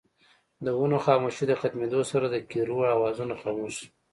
د ونو خاموشۍ د ختمېدو سره دکيرړو اوازونه خاموش شول